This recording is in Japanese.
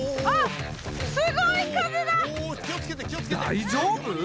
大丈夫？